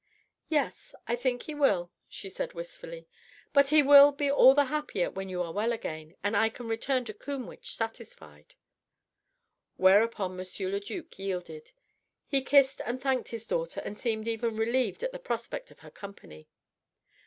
"Yes. I think he will," she said wistfully. "But he will be all the happier when you are well again, and I can return to Combwich satisfied." Whereupon M. le duc yielded. He kissed and thanked his daughter and seemed even relieved at the prospect of her company.